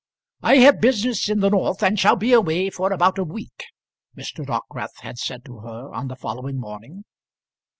"I have business in the north, and shall be away for about a week," Mr. Dockwrath had said to her on the following morning.